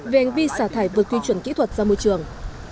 về hành vi xả thải vượt quy chuẩn kỹ thuật ra môi trường